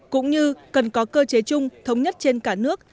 cũng như cần có cơ chế chung thống nhất trên cả nước